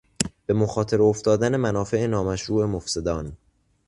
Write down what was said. به مخاطره افتادن منافع نامشروع مفسدان